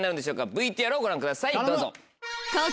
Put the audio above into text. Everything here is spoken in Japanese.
ＶＴＲをご覧くださいどうぞ。